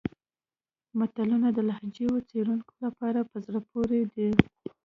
متلونه د لهجو څېړونکو لپاره په زړه پورې دي